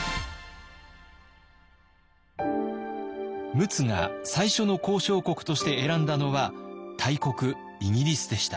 陸奥が最初の交渉国として選んだのは大国イギリスでした。